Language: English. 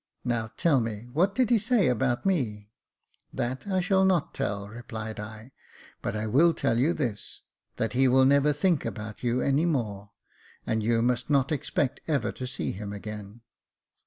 Now, tell me, what did he say about me ?"" That I shall not tell," replied I ;" but I will tell you this, that he will never think about you any more ; and you must not expect ever to see him again."